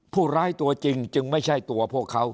ผู้ร้ายตัวจริงจึงไม่ใช่ตัวพวกเขา